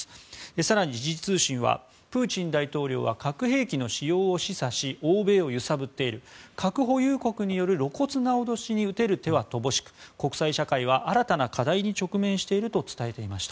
更に時事通信はプーチン大統領は核兵器の使用を示唆し欧米を揺さぶっている核保有国による露骨な脅しに打てる手は乏しく国際社会は新たな課題に直面していると伝えていました。